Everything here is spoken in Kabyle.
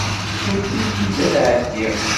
Ǧǧemt-iyi ad ɛeddiɣ.